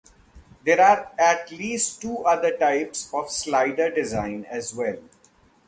There are at least two other types of slider design as well.